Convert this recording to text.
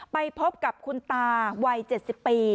ไปพบกับคุณตาวัย๗๐ปี